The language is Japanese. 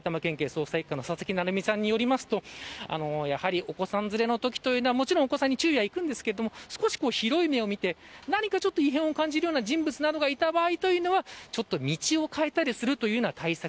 元埼玉県警捜査一課の佐々木成三さんによりますとお子さん連れのときはもちろんお子さんに注意がいくんですが少し広い目を見て、何か異変を感じる人物などがいた場合というのは道を変えたりするというような対策。